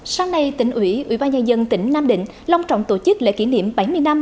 sáng nay tỉnh ủy ủy ba nhân dân tỉnh nam định long trọng tổ chức lễ kỷ niệm bảy mươi năm